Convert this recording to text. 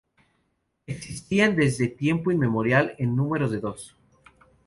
Existían desde tiempo inmemorial en número de dos.